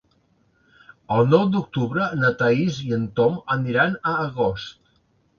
El nou d'octubre na Thaís i en Tom aniran a Agost.